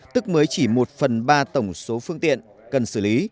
tức mới chỉ một phần ba tổng số phương tiện cần xử lý